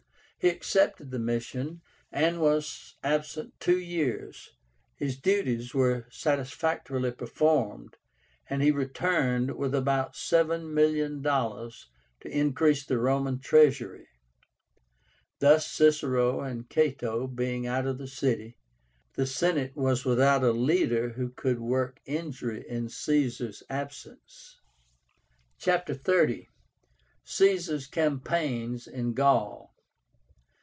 He accepted the mission, and was absent two years. His duties were satisfactorily performed, and he returned with about $7,000,000 to increase the Roman treasury. Thus, Cicero and Cato being out of the city, the Senate was without a leader who could work injury in Caesar's absence. CHAPTER XXX. CAESAR'S CAMPAIGNS IN GAUL.